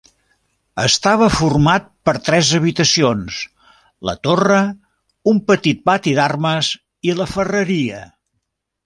Estava format per tres habitacions, la torre, un petit pati d’armes i la ferreria.